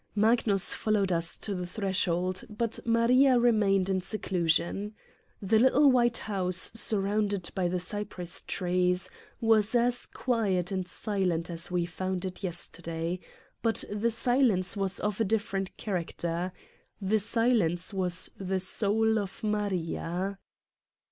Magnus followed us to the threshold, but Maria remained in se clusion. The little white house surrounded by the cypress trees was as quiet and silent as we found it yesterday, but the silence was of a different character : the silence was the soul of Maria.